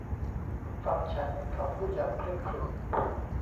ฟังฉันเขาพูดอย่างเคร่งขรึม